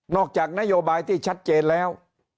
จากนโยบายที่ชัดเจนแล้ว